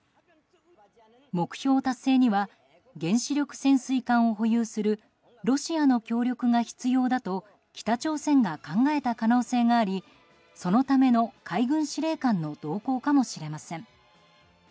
目標達成には原子力潜水艦を保有するロシアの協力が必要だと北朝鮮が考えた可能性がありそのための海軍司令官の同行かもしれません。